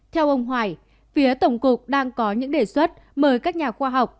theo ông hoài phía tổng cục đang có những đề xuất mời các nhà khoa học